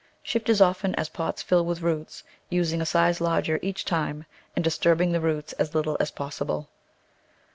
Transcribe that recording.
Shift as often as the pot fills with roots, using a size larger each time and disturbing the roots as little as possible.